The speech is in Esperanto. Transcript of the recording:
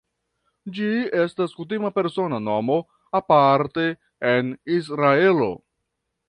Ĝi estas kutima persona nomo aparte en Israelo.